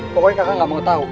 pokoknya kakak gak mau tau